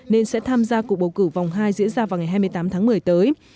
nên sẽ tham gia cuộc bầu cử vòng hai diễn ra vào ngày hai mươi tám tháng một mươi tới